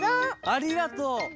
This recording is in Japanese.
ありがとう！